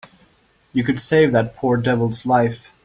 You could save that poor devil's life.